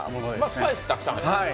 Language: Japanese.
スパイスがたくさん入っていると。